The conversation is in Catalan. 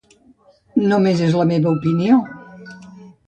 Només és la meva opinió.